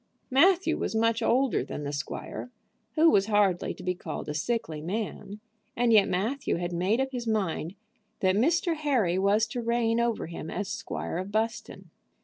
Matthew was much older than the squire, who was hardly to be called a sickly man, and yet Matthew had made up his mind that Mr. Harry was to reign over him as Squire of Buston.